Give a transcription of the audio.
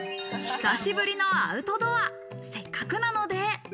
久しぶりのアウトドア、せっかくなので。